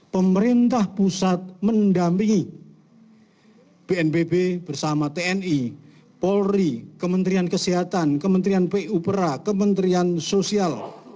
pemerintah pusat mendampingi bnpb bersama tni polri kementerian kesehatan kementerian pupra kementerian sosial